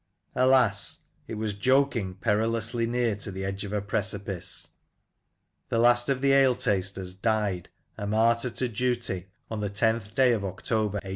Alas ! it was joking perilously near to the edge of a precipice. The last of the Ale tasters died, a martyr to duty, on the loth day of October, 1876.